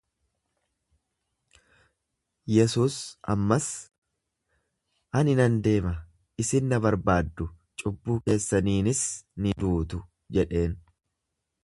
Yesuus ammas, Ani nan deema, isin na barbaaddu, cubbuu keessaniinis ni duutu jedheen.